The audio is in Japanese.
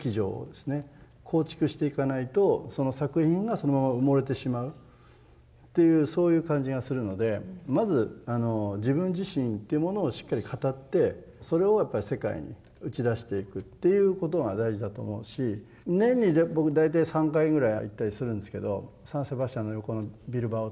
構築していかないとその作品がそのまま埋もれてしまうというそういう感じがするのでまず自分自身というものをしっかり語ってそれをやっぱり世界に打ち出していくっていうことが大事だと思うし年に僕大体３回ぐらいは行ったりするんですけどサン・セバスチャンの横のビルバオとかね。